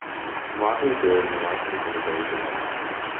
Mosse is buried in the Weissensee Cemetery, Berlin.